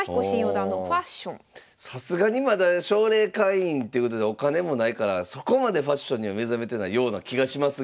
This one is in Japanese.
さすがにまだ奨励会員ってことでお金もないからそこまでファッションには目覚めてないような気がしますが。